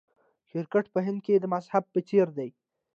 کرکټ په هند کې د مذهب په څیر دی.